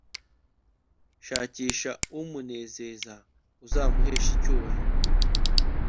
shakisha umunezeza uzamuhesha icyubahiro